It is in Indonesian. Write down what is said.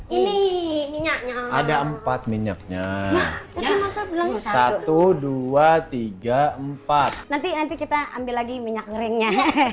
ini minyaknya ada empat minyaknya seribu dua ratus tiga puluh empat nanti nanti kita ambil lagi minyak keringnya